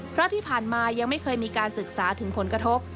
เพราะที่ผ่านมายังไม่เคยมีการศึกษาถึงผลกระทบ